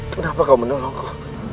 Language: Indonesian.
kenapa kau menolongku